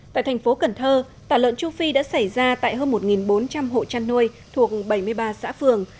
tại thành phố cần thơ tả lợn châu phi đã xảy ra tại hơn một bốn trăm linh hộ chăn nuôi thuộc bảy mươi ba xã phường